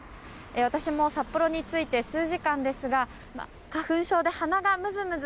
私も札幌に着いて数時間ですが花粉症で、鼻がムズムズ。